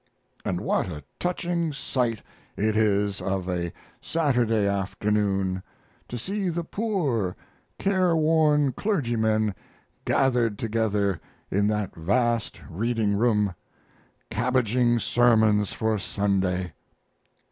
And what a touching sight it is of a Saturday afternoon to see the poor, careworn clergymen gathered together in that vast reading room cabbaging sermons for Sunday!